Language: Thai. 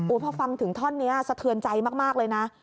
พอฟังถึงท่อนนี้สะเทือนใจมากเลยนะ